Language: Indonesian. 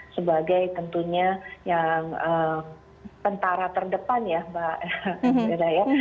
sebagai tentunya yang pentara terdepan ya mbak